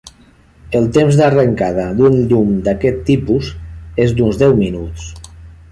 El temps d'arrencada d'un llum d'aquest tipus és d'uns deu minuts.